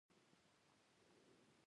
پسه د پاکۍ حیوان بلل شوی.